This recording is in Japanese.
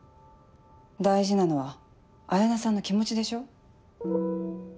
大事なのは彩菜さんの気持ちでしょ？